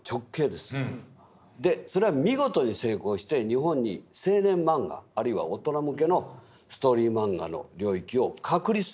でそれは見事に成功して日本に青年漫画あるいは大人向けのストーリー漫画の領域を確立するんです。